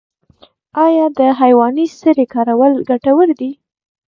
آیا د حیواني سرې کارول ګټور دي؟